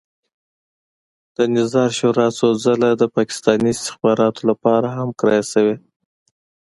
د نظار شورا څو ځله د پاکستاني استخباراتو لپاره هم کرایه شوې.